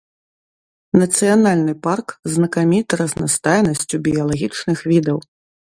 Нацыянальны парк знакаміты разнастайнасцю біялагічных відаў.